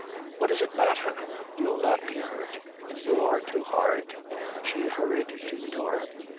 "What does it matter? You'll not be hurt. You are too hard." She hurried to the door.